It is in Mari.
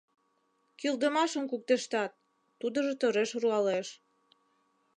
— Кӱлдымашым куктештат! — тудыжо тореш руалеш.